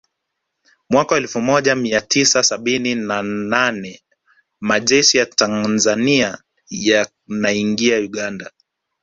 Mwaka elfu moja mia tisa sabini na nane Majeshi ya Tanzania yanaingia Uganda